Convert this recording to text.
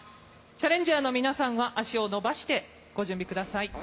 チャレンジャーの皆さんは、足を伸ばして準備してください。